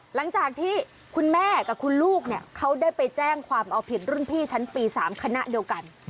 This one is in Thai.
หลังจากที่คุณแม่กับคุณลูกเนี่ยเขาได้ไปแจ้งความเอาผิดรุ่นพี่ชั้นปี๓คณะเดียวกัน